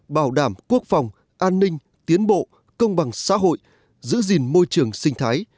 bảo đảm quốc phòng an ninh tiến bộ công bằng xã hội giữ gìn môi trường sinh thái